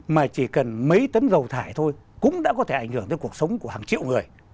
mà chỉ cần mấy tấn dầu thải thôi cũng đã có thể ảnh hưởng tới cuộc sống của hàng triệu người